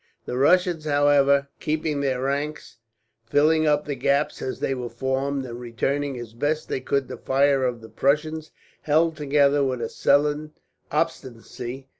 The Russians, however, keeping their ranks, filling up the gaps as they were formed, and returning as best they could the fire of the Prussians, held together with sullen obstinacy.